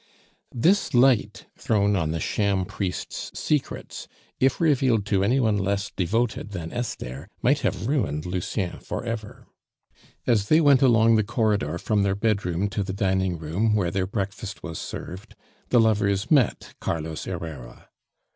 This light thrown on the sham priest's secrets, if revealed to any one less devoted than Esther, might have ruined Lucien for ever. As they went along the corridor from their bedroom to the dining room, where their breakfast was served, the lovers met Carlos Herrera.